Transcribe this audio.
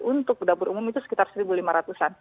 untuk dapur umum itu sekitar satu lima ratus an